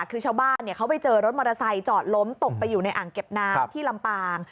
คือชาวบ้านเขาไปเจอรถมอเตอร์ไซค์จอดล้มตกไปอยู่ในอ่างเก็บน้ำที่ลำปาง